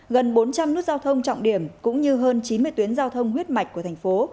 gần bốn trăm linh nút giao thông trọng điểm cũng như hơn chín mươi tuyến giao thông huyết mạch của thành phố